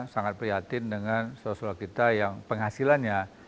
sangat prihatin dengan sosial kita yang penghasilannya